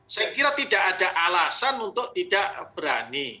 saya kira tidak ada alasan untuk tidak berani